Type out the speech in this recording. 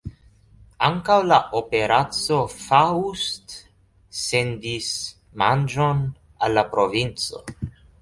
Ankaŭ la Operaco Faust sendis manĝon al la provinco.